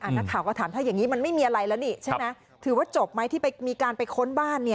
นักข่าวก็ถามถ้าอย่างนี้มันไม่มีอะไรแล้วนี่ใช่ไหมถือว่าจบไหมที่มีการไปค้นบ้าน